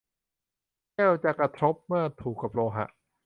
แก้วจะกระทบเมื่อถูกกับโลหะ